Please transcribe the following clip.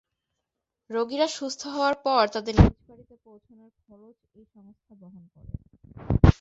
রোগীরা সুস্থ হওয়ার পর তাদের নিজ বাড়িতে পৌঁছানোর খরচ এই সংস্থা বহন করে।